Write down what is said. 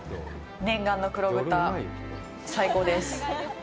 念願の黒豚、最高です。